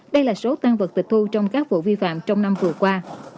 đây là số tan vật tịch thu trong các vụ vi phạm trong năm vừa qua